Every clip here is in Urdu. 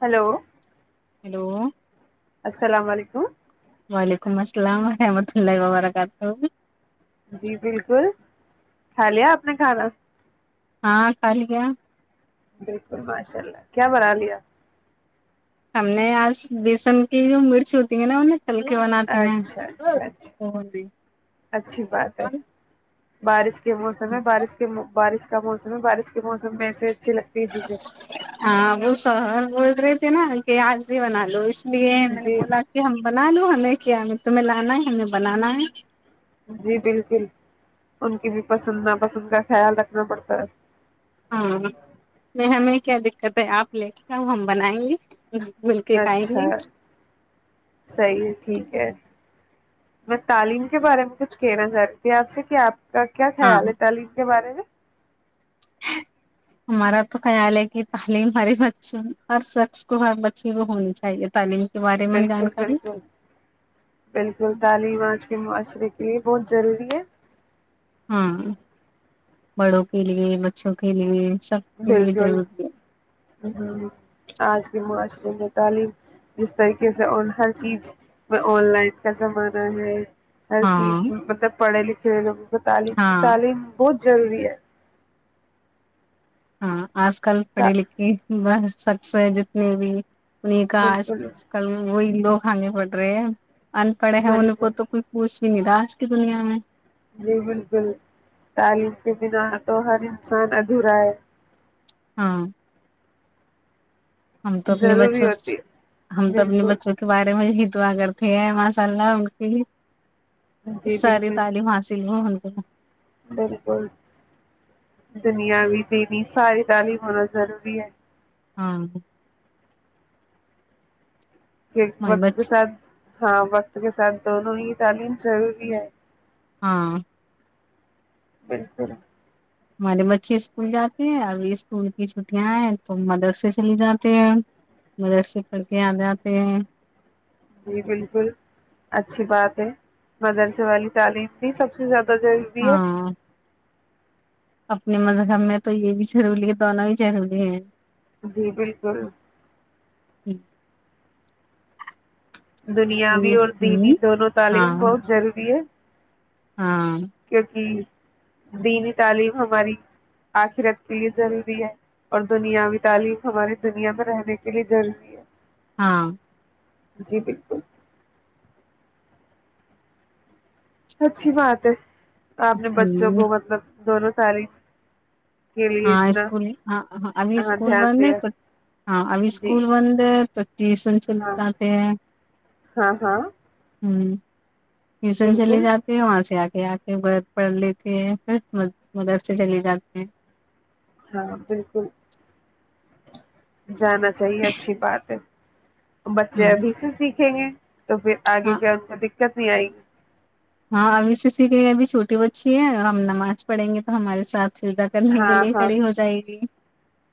ہلو ہیلو السلام علیکم وعلیکم السلام ورحمۃ اللہ وبرکاتہ جی بالکل کھا لیا آپ نے کھانا ہاں خال کیا بالکل ماشاء اللہ کیا بنا لیا ہم نے آج بیسن کی جو مرچ ہوتی ہیں نا انیں ہلکے بناتے ہیں اچھا اچھا اچھا بارس کے موسم میں بارش کے بارش کا موسم ہے بارش کے موسم میں سے ہاں وہ سہول بول رہے نا ان کہ آی بنا لو جی مولاکی ہ ہمبل آ نے کیا ہم تمہیں لانا ہے ہمیں بنانا ہے جی بالکل ان کی بھی پسند نا پسند کا خیال رکھنا پڑتا ہے ہاں د میں کیا دقت ہے آپ لے کے آؤ ہم بنائیں گے مل کے کھائیں گے اچھا صیح ٹھیک ہے میں تعلیم کے بارے میں کچھ کہنا چاہ رہی ت آپ سے کیا آپ کا کیا ہاں خیال ہے تعلیم کے بارے میں ہمارا تو خیال ہے کہ تعلیم ہماری بچی ہر شخص کو ہر بچی کو ہونی چاہیے تعلیم کے بارے میں بالکل جانکاری بالکل بالکل تعلیم آج کے معاشرے یہ بہت ضروری ہے ہاں بڑوں کے لیے بچوں کے لیے سب کے لیے بالکل ضروری ہے آج کے معاشرے میں تعلیم جس طریقے سے اور ہر چیز میں آن لائن کا زمانہ ہے ہر چیز ہاں مطلب پڑھے لکھے پ پتالیس ہاں ستالیس بہت ضروری ہے ہاں آج کل پڑھی تا- لکھی بس سکس جتنی بھی انہیں کا آج بالکل کل وہی دو ک ہانگ پٹرے ان پڑھے ہیں ان بالکل کو تو کوئی پوچھ ج میراش کی دنیا میں جی بالکل تعلیم کے بنا تو ہر انسان ادھورا ہے ہاں ہم تو اپنے ضروری بچوں ہوتی ہم ہے تو اپنے بالکل بچوں کے بارے میں یہ دعا کرتی ہیں ماشاء اللہ ان کی جی اس سارے بالکل تعلیم حاصل ہو ا بالکل دنیا بھی دین ساری تال ہی ہونا ضروری ہے ہاں ایک وقت کے بچ ساتھ ہاں وقت کے ساتھ دونوں ہی تعلیم ضروری ہے ہاں [inaudible] [unintelligible] اچھے اسکول جاتے ہیں اب اسکول کی چھٹیاں ہیں تو مدرسے چلے جاتے ہیں مدرسے پڑھ کے آ جاتے ہیں جی بالکل اچھی بات ہے مدرسے والے تعلیم بھی سب سے زیادہ دہ ضروری ہے ہاں اپنے مذہب میں تو یہ بھی ضروری ہے دونوں ہی ضروری ہیں جی بالکل [inaudible] اسکول دنیاوی اور دینی ہوں دونوں ہاں تعلیم بہت ضروری ہے ہاں کیونکہ دینی تعلیم ہماری آخرت کے لیے ضروری ہے اور دنیاوی تعلیم ہماری دنیا میں رہنے کے لیے ضروری ہے ہاں جی بالکل اچھی بات ہے آپنے بچوں ہوں کو مطلب دونوں تاریخ ہاں اسکول ہاں ہاں ابھی اسکول دھیان بند ہے دیا تو ہاں ابھی جی اسکول بند ہے تو ٹیوشن چل ہاں جاتے ہیں ہاں ہاں ہمم ٹیوشن چلے بالکل جاتے ہیں وہاں سے آ کے آ کے گھر پڑھ لیتے ہیں پھر مدر سے چلے جاتے ہیں ہاں بالکل جانا چاہیے اچھی بات ہے ہاں بچے بی سے سیکھ کھینگے تو پھر آگے ہاں کیا ان کو دقت نہیں آئے گی کھینگے ابھی چھوٹی بچی ہے اور ہم نماز پڑھیں گے تو ہمارے ساتھ سجدہ کرنے کے ہاں لیے ہاں کھڑی ہو جائے گی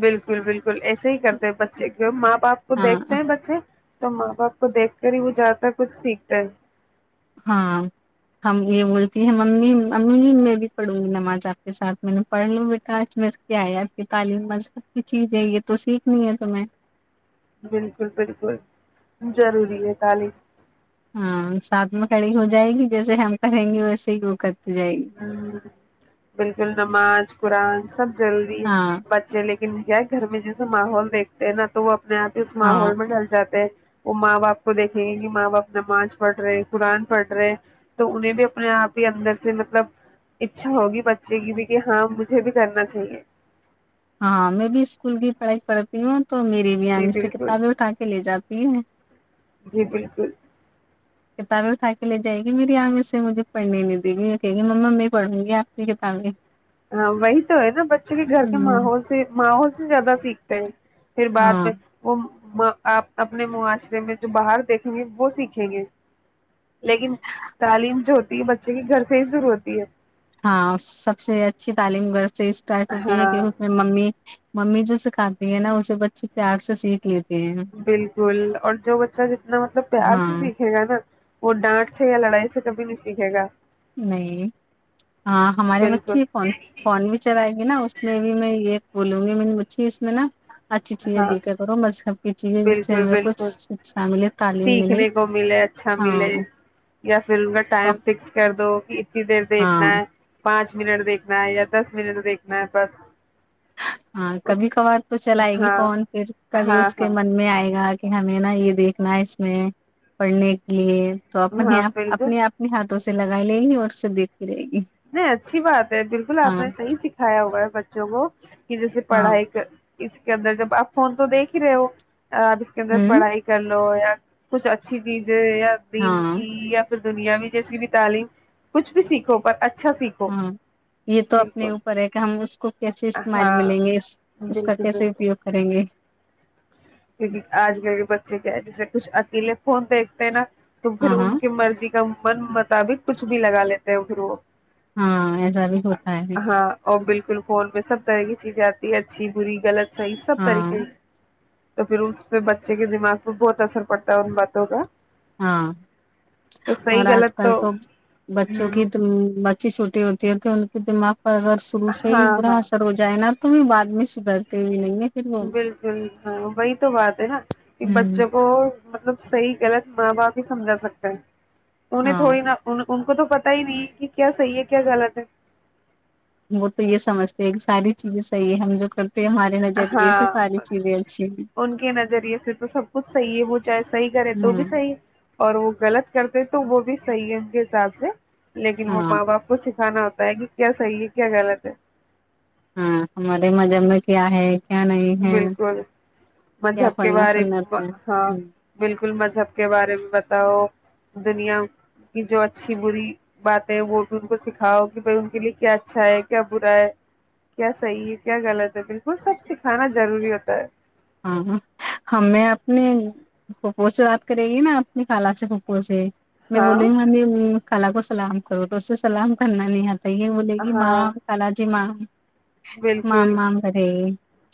بالکل بالکل ایسے ہی کرتے بچے کی ماں باپ کو ہاں دیکھتے ہیں بچے تو ماں باپ کو دیکھ کر ہی وہ جاکر کچھ سیکھتا ہے ہاں ہم یہ بولتی ہیں ممی ممی میں بھی پڑوں گی نماز آپ کے ساتھ میں نے پڑھ لوں بیٹا آج میں کیا ہے آپ کی تعلیم مذہب کی چیز ہے یہ تو سیکھنی ہے تو میں بالکل بالکل ضروری ہے تعلیم ہاں ساتھ میں کڑی ہو جائے گی جیسے ہم کریں گے ویسے ہی وہ کر بالکل نماز قرآن سب جلی ہے ہاں بچے ل [unintelligible] کیا ہے گھر میں جیسے ماحول دیکھتے ہیں نا تو وہ میں آتے اس ہاں ماحول میں ڈل جاتے وہ ماں باپ کو دیکھیں گے کہ ماں باپ نماز پڑھ رہے قرآن پڑھ رہے تو انہیں بھی اپنے آپ ہی اندر سے ملب مطلب اچھا ہوگی بچے کی بھی کہ ہاں مجھے بھی کرنا چاہیے ہاں میں بھی اسکول کی پڑھائی کرتی ہوں تو میری بھی جی آنگ سے بالکل کتابیں اٹھا کے لے جاتی تین [unintelligible] جی بالکل کتابیں اٹھا کے لے جائے گی میری آنکھ سے مجھے پڑھنی نہیں دے گی کہ گی ما میں پڑھوں گی آپ کی کتابیں ہاں وہی تو ہے نا بچے کے گھر کے ہوں ماحول سے ماحول سب سے زیادہ سیکھتے ہیں [unintelligible] پھر بعد ہاں میں وہ آپ اپنے معاشرے میں جو باہر دیکھیں گے وہ سیکھیں گے لیکن تعلیم جو ہوتی ہے بچے کے گھر سے ہی ضر ہوتی ہے ہاں سب سے اچھی تعلیم گ اسٹارٹ ہوتی ہے کہ ہاں اس میں ممی ممی جو سکھاتی ہے نا اسے بچے پیار سے سیکھ لیتی بالکل اور جو بچہ جتنا مطلب پیار سے ہاں سیکھے گا نا وہ ڈانٹ سے یا لڑائی سے کبھی نہیں سیکھے گا نہیں ہاں ہماری بالکل بچی فون فون بھی چلائے گی نا اس میں بھی میں یہ بولوں گی میں نے مچھی اس میں نا اچھی چیزیں ہاں دے کے کرو مذہب کی چیزیں جس سے بالکل ہمیں کچھ بالکل شکچھا ملیے تعلیم ملی سیکھنے ہاں یس [unintelligible] فلم کا ٹائم فکس کر دو اتنی دیر ہاں دیکھنا ہے پانچ منٹ دیکھنا ہے یا دس منٹ دیکھنا ہے بس ہاں اس کبھی کبھار تو چ چلائے گی ہاں فون پھر کبھی ہاں ہاں اس کے من ہاں میں آئے گا کہ ہمیں نا یہ دیکھنا ہے اس میں پڑھنے کی تو اپنے ہاں آ بالکل اپنے آنے ہات تو اس سے لگائی لیں گی اور سے دیک نہیں اچھی بات ہے بالکل آپ ہاں نے صحیح سکھایا ہوگا ہے بچوں کو کہ جیسے ہاں پڑھائی کا اس کے اندر جب آپ فون تو دیکھ ہی رہے ہو آپ اس کے اندر ہوں پڑھائی کر ل یا کچھ اچھی چیز دی ہاں دنیا میں جیسی بھی تعلیم کچھ بھی سیکھو پر اچھا سیکھو ہاں یہ تو اپنے بالکل اوپر ہے کہ ہم اس کو کیسے استعمائل ہاں ملیں گے اس کا بالکل کیسے بالکل اپیوگ کریں گے کیونکہ آج کل کے ب ج جیسے کچھ اکیلے خون دیکھتے ہیں نا تو پھر ہاں ہاں ان کی مرضی من مطابق کچھ بھی لگ لیتے ہو پھر وہ ہاں ایسا بھی ہوتا ہے ب فون میں سب طرح کی چیزیں آتی ہے اچھی بری لط سس پ ہاں کے تو پھر اس پہ بچے کے دماغ پہ بہت اثر پڑتا ہے ان باتوں کا ہاں تو اور صحیح آج غلط کل تو بچوں ہوں، کی اچ چھوٹی ہوتی ہے تو ان کے دماغ اگر شروع سے ہی ہاں برا ہاں اثر ہو جائے نا تو بھی بعد میں سدھرتے ہوئے نہیںے بالکل ہاں وہی تو بات ہے نا کہ ہوں بچوں کو مطلب صحیح غلط ماں باپ ہی سمجھا سکتا ہے انیں ہاں تھوڑی نہا ان ان کو تو پتا ہی نہیں کہ کیا صحیح ہے کیا غلط ہے وہ تو یہ سمجھتے ہیں کہ ساری چیزیں صحیح ہے ہم جو کرتے ہیں ہمارے نظریے سے ہاں ساری بس چیزیں اچھی ہیں ان کے نظریے سے تو سب کچھ صحیح ہے وہ چاہے صحیح کرے تو بھی ہاں صحیح ہے اور وہ غلط کرتے تو وہ بھی صحیح ہے ان کے حساب سے لیکن وہ ہاں ماں باپ کو س ھانا ہوتا ہے کہ کیا صحیح ہے کیا غلط ہے ہاں ہماریے مجے میں کیا ہے کیا نہیں ہے بالکل کیا مذہب کے پڑھنا بارے سننا ہے ہاں ہوں بالکل بالکل مذہب کے بارے میں بتاؤ دنیا کی جو اچھی بری باتیں ہے وہ بھی ان کو سکھاؤ کہ بھائی ان کے لیے کیا اچھا ہے کیا برا ہے کیا صحیح ہے کیا غلط ہے بالکل سب س کھانا ضروری ہوتا ہے ہاں ہمیں اپنے پھپ سے بات کرے گی نا اپنی خال سے پھپو سے میں ہاں بولے ہمیں خال کو سلام کرو تو اس سے سلام کرنا نہیں آتا تو یہ بولے گی ماں ہاں کال جی ماں ماں بالکل مام کرے گی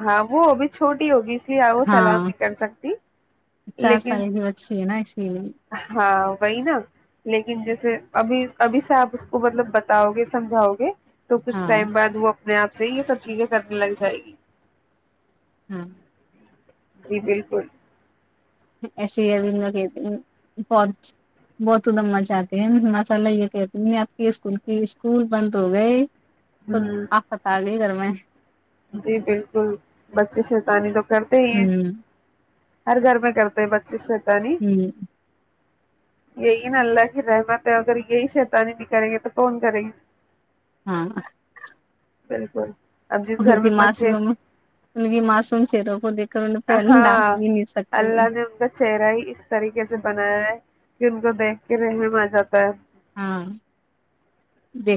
ہاں وہ ابھی چھوٹی ہوگی اس لیے آ وہ سلام ہاں نہیں کر سکتے جی چار سال کی بچی ہے نا اسی لیے ہاں وہی نا لیکن جیسے ابھی ابھی سے آپ اس کو مطلب بتاؤ گے سمجھاؤ گے تو کچھ ہاں ٹائم بعد وہ اپنے آپ سے یہ سب چیزیں کرنے لگ جائے گی ہاں جی بالکل ایسے ہی اب میں کہ بہت بہت ادم مچاہتے ہیں ماشاء اللہ یہ کہتی آپ کے اسکول کی اسکول بند ہو گئے تو ہوں آ خت آ گئی گرم میں جی بالکل بچے شتانی تو کرتے ہی ہیں ہمم ہر گھر میں کرتے بچے ش ہوں یہی نا اللہ کی رحمت ہے اگر یہی شیتانی بھی کریں گے تو کون کریں گے ہاں بالکل اب جس ان گھر کی میں معص بچے ان کی معصوم چروں کو دے کر ان پہ ہاں ڈانٹ بھی نہیں سکتے اللہ نے ان کا چہرہ ہی اس طریقے سے بنایا ہے کہ ان کو دیکھ کے رہنے مزہ آتا ہے ہاں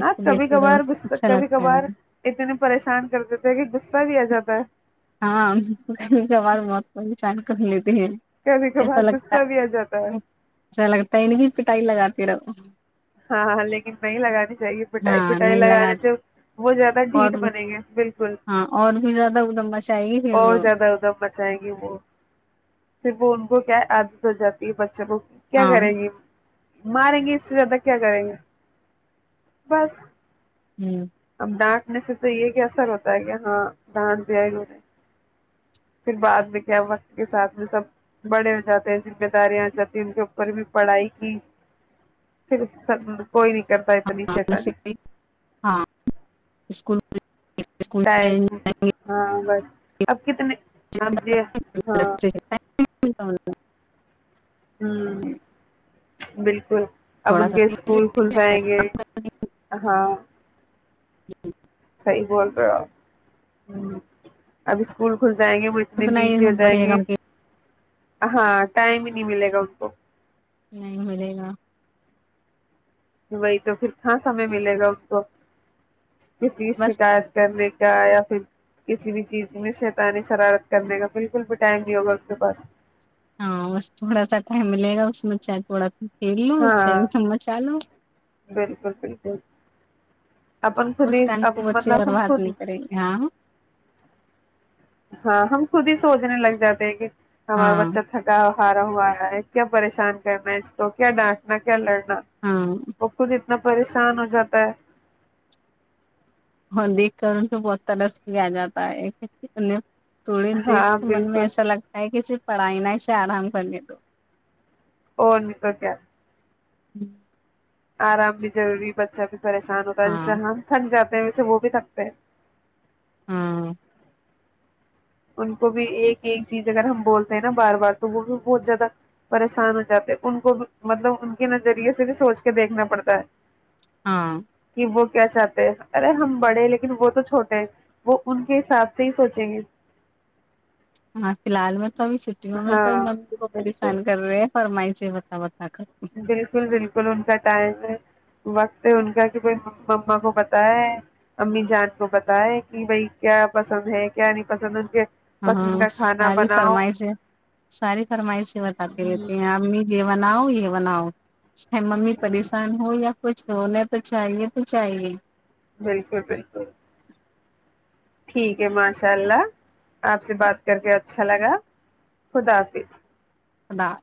ہاں کبھی دیکھتے رہ کبھار غصہ اچھا کبھی لگتا ہے کبھار اتنے پریشان کر دیتے ہیں کہ بھییا جابا ہاں کے آواز موت پہچان کر لیتے ہیں کبھی ایسا کبھار لگتا غصہ بھی آ جاتا ہے ایسا لگتا ہے پٹائی لگاتے رہو جی ہاں ہاں لیکن نہیں لگانی چاہیے پٹائی ہاں پٹائی نہیں لگا لگانے سے وہت زیادہ اور ڈھیٹ بنےیں گے بالکل ہاں اور بھی زیادہ ادم مچائے گی پھر اور وہ زیادہ ادم مچائےیں گی وہ پھر وہ کو کیا عادت ہو جاتی ہے بس وہ کیا ہاں کریں گی ماریں گے اس زیادہ کیا کریں گے بس ہوں اب ڈانٹنے سے تو یہ کہ اثر ہوتا ہے کہ ہاں ڈانٹ بھیئے گییں پھر بعد میں کیا وقت کے ساتھ میں سب بڑے ہو جاتے ہیں ذمہ داریاں آ جاتی ہیں ان کے اوپر بھی پڑھائی کی پھر سب کوئی نہیں کرتا اتنی شیتاانی جیسے ہاں اسکول میں ہاں بس اب کتنے اب ج ہاں اتا ہوا [unintelligible] ہوں بالکل اب تھوڑا ان سا کے اسکول کھل جائیں گے ہاں جی [unintelligible] ب اسک ک [unintelligible] جائیں گے وہ اتنے اتنا ہی بیت جل جائیں بچے گے گا ہاں ٹائم ہی نہیں ملے گا ان کو نہی ملےگا وہی تو پھر کہاں سمے ملے گا ان کو کسی بس شکایت کرنے کیا یا پھر کسی بھی چیز میں شیتانی شرارت کرنے کا بالکل بھی ٹائم نہیں ہوگا آ کے پاس ہاں بس تھوڑا سا ٹائم ملے گا اس میں چاہید تھوڑا پلو چاہ ہاں تم م چالو بالکل بالکل اپن خود اس ہی ٹائم اب کو بچے مطلب ہم اوررباد خود نہیں کریں گے ہاں ہاں ہم خود ہی سوچنے لگ جاتے ہیں کہ ہمار ہاں بچا تھاکا ہارا ہوا رہا ہے کیا پریشان کرنا ہے اس کو کیا ڈانٹنا کیا لڑنا ہاں وہکلی [unintelligible] اتنا پریشان ہو جاتا ہے ہاں دیکھ کروں تو بہت ترس کے کیا جاتا ہے تھوڑی دیر ہاں تو من میں بالکل ایسا لگتا ہے کہ صرف پڑھائی نہ اس سے آرام کر لے تو اور نہی تو کیا ہوں [unintelligible] آرام بھی جروری بچہ بھی پریشان ہوتا ہاں انسان تھن جا و سے وہ بھی تھکتے ہیں ہاں ان کو بھی ایک ایک چیز اگر ہم بولتے ہیں نا بار بار تو وہ بھی بہت زیادہ پریشان ہو جاتے ہیں ان کو بھی مطلب ان کے نظریے سے بھی سوچ کے دیکھنا پڑتا ہے ہاں کہ وہ کیا چاہتے ارے ہم بڑے لیکن وہ تو چھوٹے ہیں وہ ان کے حساب سے ہی سوچیں گے ہاں فی الحال میں توب چھٹیوں میں ہاں تو ممی کو بالکل پریشان کر رہے ہیں فرمائ سے ہے بتات بالکل بالکل ان کا ٹائم ہے وقت ان کا کہ کوئی مما کو پتا ہے امی جان کو پتا ہے کہ بھائی کیا پسند ہے کیا نہیں پسند ان کے ہاں پسند کا کھانا ساری بناؤ فرمائی سے ساری فرمائی سے بتاتے رہتے ہیں امی جی بنا بناؤ یہ بناؤ چاہ ممی پریشان ہو یا کچھ ہونے تو چاہیے تو چاہیے بالکل بالکل ٹھیک ہے ماشاء اللہ آپ سے بات کر کے اچھا لگا خدا حافظ الدا [unintelligible]